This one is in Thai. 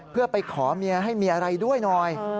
เพื่อไปขอเมียให้เมียอะไรด้วยหน่อย